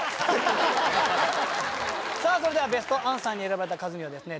それではベストアンサーに選ばれたカズにはですね